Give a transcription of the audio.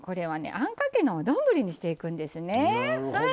あんかけのお丼にしていくんですね。